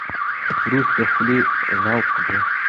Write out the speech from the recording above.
رس د خولې ذوق دی